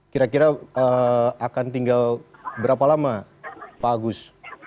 kira kira akan tinggal berapa lama pak agus